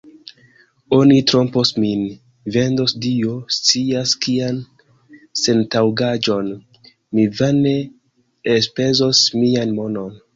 Oni trompos min, vendos Dio scias kian sentaŭgaĵon, mi vane elspezos mian monon.